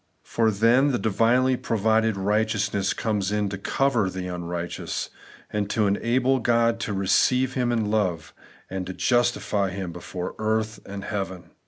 For then the divinely provided righteousness comes in to cover the xmrighteous, and to enable God to receive him in love, and justify him before earth and heaven.